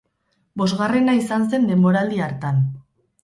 Bosgarrena izan zen denboraldi hartan.